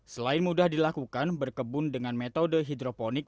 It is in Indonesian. selain mudah dilakukan berkebun dengan metode hidroponik